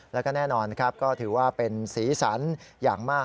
แล้วก็แน่นอนครับก็ถือว่าเป็นสีสันอย่างมาก